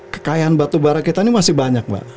kekayaan batubara kita ini masih banyak mbak